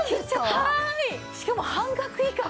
はーい！しかも半額以下！？